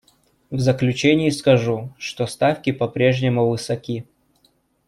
В заключение скажу, что ставки по-прежнему высоки.